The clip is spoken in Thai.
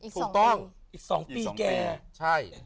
ถูกต้องอีก๒ปีแก่ใช่จริง